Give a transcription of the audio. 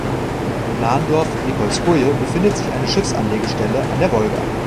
Im nahen Dorf Nikolskoje befindet sich eine Schiffsanlegestelle an der Wolga.